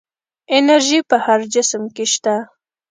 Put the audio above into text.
انرژي په هر جسم کې شته.